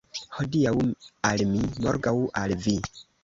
Hodiaŭ al mi, morgaŭ al vi.